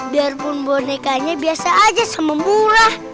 biarpun bonekanya biasa aja sama murah